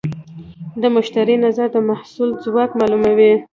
د مشتری نظر د محصول ځواک معلوموي.